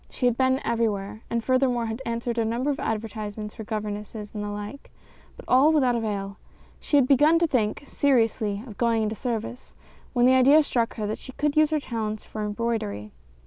She had been everywhere, and furthermore, had answered a number of advertisements for governesses and the like, but all without avail. She had begun to think, seriously, of going into service, when the idea struck her that she could use her talents for embroidery.